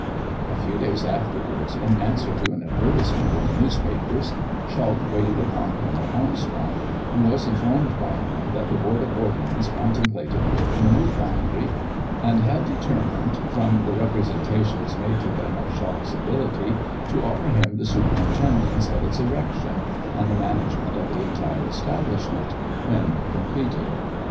A few days afterwards, in answer to an advertisement in the newspapers, Schalch waited upon Colonel Armstrong, and was informed by him that the Board of Ordnance contemplated building a new foundry, and had determined, from the representations made to them of Schalch's ability, to offer him the superintendence of its erection, and the management of the entire establishment, when completed.